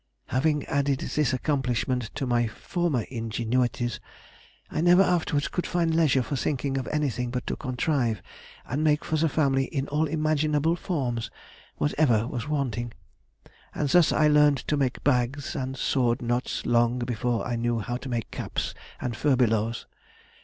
Having added this accomplishment to my former ingenuities, I never afterwards could find leisure for thinking of anything but to contrive and make for the family in all imaginable forms whatever was wanting, and thus I learned to make bags and sword knots long before I knew how to make caps and furbelows....